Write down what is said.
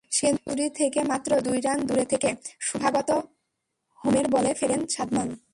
Century থেকে মাত্র দুই রান দূরে থেকে শুভাগত হোমের বলে ফেরেন সাদমান।